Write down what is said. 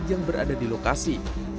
yang berada di lokasi